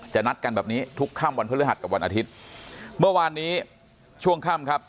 นัดกันแบบนี้ทุกค่ำวันพฤหัสกับวันอาทิตย์เมื่อวานนี้ช่วงค่ำครับ